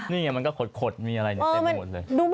นี่ไงมันก็ขดมีอะไรเต็มไปหมดเลย